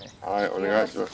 お願いします。